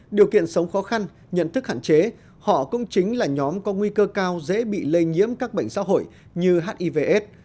điều kiện sống khó khăn nhận thức hạn chế họ cũng chính là nhóm có nguy cơ cao dễ bị lây nhiễm các bệnh xã hội như hivs